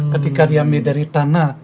ketika diambil dari tanah